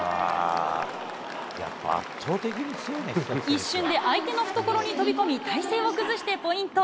一瞬で相手の懐に飛び込み、体勢を崩してポイント。